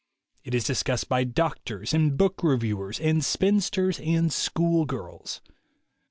It is discussed by doctors and book reviewers and spinsters and school girls.